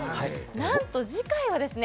何と次回はですね